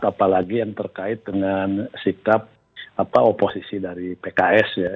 apalagi yang terkait dengan sikap oposisi dari pks ya